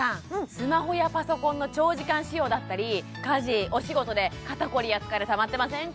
スマホやパソコンの長時間使用だったり家事お仕事で肩こりや疲れたまってませんか？